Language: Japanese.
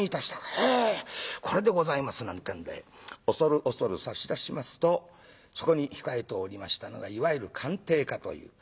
「へえこれでございます」なんてんで恐る恐る差し出しますとそこに控えておりましたのがいわゆる鑑定家という。